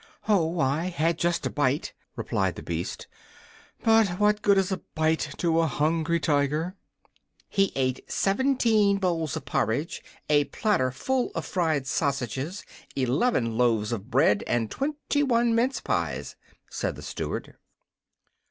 "Oh, I had just a bite," replied the beast. "But what good is a bite, to a hungry tiger?" "He ate seventeen bowls of porridge, a platter full of fried sausages, eleven loaves of bread and twenty one mince pies," said the Steward.